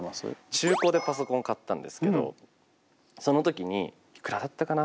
中古でパソコン買ったんですけどその時にいくらだったかな？